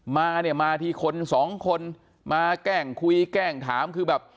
มาเนี่ยมาทีคนสองคนมาแกล้งคุยแกล้งถามคือแบบ